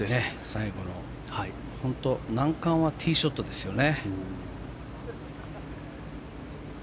最後の、本当に難関はティーショットですよね。